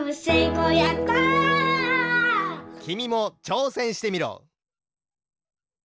きみもちょうせんしてみろ。